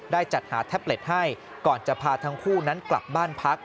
จัดหาแท็บเล็ตให้ก่อนจะพาทั้งคู่นั้นกลับบ้านพัก